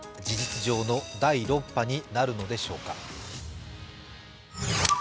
事実上の第６波になるのでしょうか。